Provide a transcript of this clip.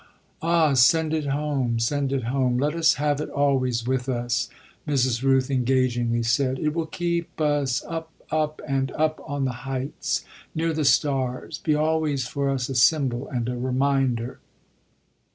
"Ah send it home send it home; let us have it always with us!" Mrs. Rooth engagingly said. "It will keep us up, up, and up on the heights, near the stars be always for us a symbol and a reminder!"